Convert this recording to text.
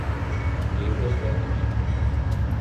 Libros vellos.